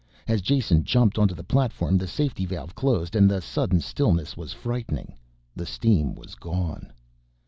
As Jason jumped onto the platform the safety valve closed and the sudden stillness was frightening. The steam was gone.